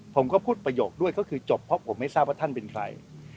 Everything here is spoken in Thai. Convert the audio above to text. ผมก็พูดประโยคด้วยก็คือจบเพราะผมไม่ทราบว่าท่านเป็นใคร